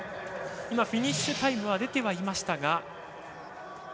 フィニッシュタイムは出ていましたが。